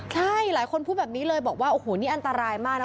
ใช่หลายคนพูดแบบนี้เลยบอกว่าโอ้โหนี่อันตรายมากนะ